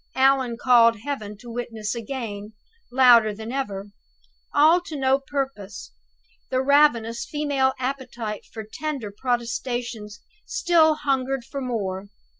Allan called Heaven to witness again, louder than ever. All to no purpose! The ravenous female appetite for tender protestations still hungered for more.